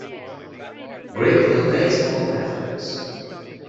Greenville Baseball Reference